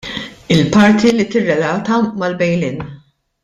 Il-parti li tirrelata mal-bail in.